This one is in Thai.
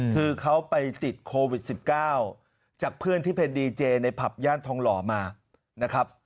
คือเขาไปติดโควิด๑๙จากเพื่อนที่เป็นดีเจในผับย่านทองหล่อมานะครับ